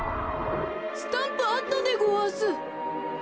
スタンプあったでごわす。